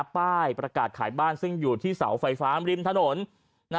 ป้ายประกาศขายบ้านซึ่งอยู่ที่เสาไฟฟ้าริมถนน